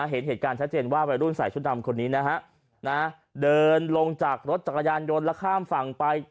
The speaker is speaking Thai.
เห็นเหตุการณ์ชัดเจนว่าวัยรุ่นใส่ชุดดำคนนี้นะฮะเดินลงจากรถจักรยานยนต์แล้วข้ามฝั่งไป